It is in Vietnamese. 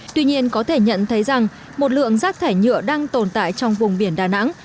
tuy nhiên có thể nhận thấy rằng một lượng rác thải nhựa đang tồn tại trong vùng biển đà nẵng